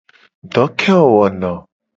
Do ke ye wo wona a o?